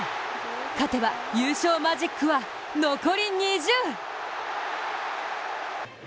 勝てば優勝マジックは、残り２０。